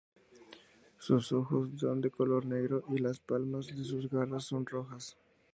Sus ojos son de color negro y las palmas de sus garras son rojas.